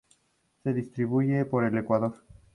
Se distribuye por el Ecuador.